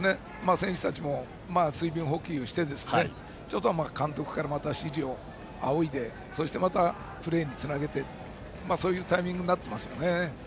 選手たちも水分補給して監督からまた指示を仰いでまたプレーにつなげてそういうタイミングになっていますね。